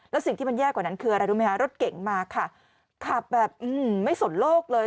แล้วสิ่งที่มันแย่กว่านั้นคืออะไรรู้ไหมคะรถเก่งมาค่ะขับแบบไม่สนโลกเลย